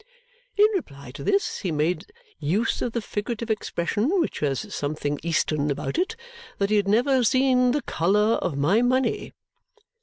In reply to this, he made use of the figurative expression which has something Eastern about it that he had never seen the colour of my money.